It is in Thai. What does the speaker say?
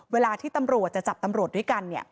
เวลาที่ตำรวจจะจับตำรวจด้วยกัน